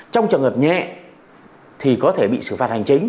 trong trường hợp nhẹ thì có thể bị xử phạt hành chính